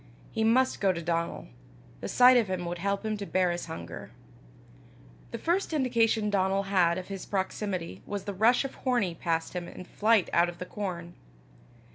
He must go to Donal. The sight of him would help him to bear his hunger. The first indication Donal had of his proximity was the rush of Hornie past him in flight out of the corn.